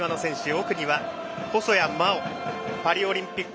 奥には細谷真大パリオリンピック